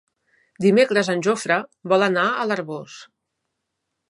Dimecres en Jofre vol anar a l'Arboç.